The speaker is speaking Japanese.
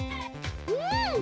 うん！